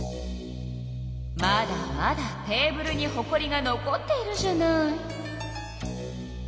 まだまだテーブルにほこりが残っているじゃない。